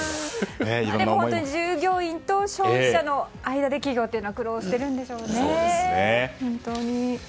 でも、本当に従業員と消費者の間で企業というのは苦労しているんでしょうね。